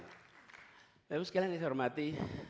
nah bu skelen saya hormati